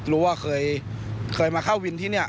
รู้ว่าเคยมาเข้าวินที่นี่